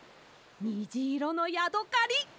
にじいろのヤドカリ！